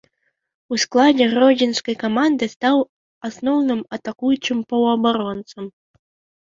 У складзе гродзенскай каманды стаў асноўным атакуючым паўабаронцам.